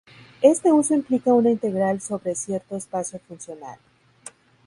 Este uso implica una integral sobre cierto espacio funcional.